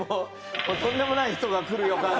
とんでもない人が来る予感が。